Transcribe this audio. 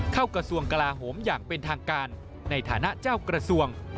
กระทรวงกลาโหมอย่างเป็นทางการในฐานะเจ้ากระทรวง